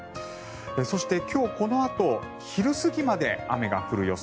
そして、今日このあと昼過ぎまで雨が降る予想。